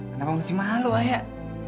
kenapa mesti malu ayah